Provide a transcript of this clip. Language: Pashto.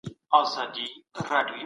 په يو خمار په يــو نـشه كي ژونــدون